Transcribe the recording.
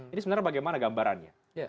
ini sebenarnya bagaimana gambarannya